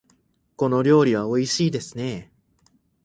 この料理はおいしいですね。